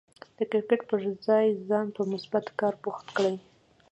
د کرکټ پر ځای ځان په مثبت کار بوخت کړئ.